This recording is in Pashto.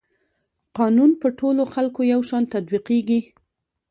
قانون په ټولو خلکو یو شان تطبیقیږي.